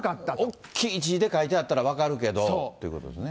大きい字で書いてあったら分かるけどってことですね。